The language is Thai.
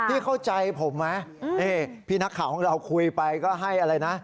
พี่เข้าใจผมไหมนี่พี่นักข่าวของเราคุยไปก็ให้อะไรนะ